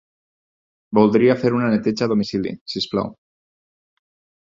Voldria fer una neteja a domicili, si us plau.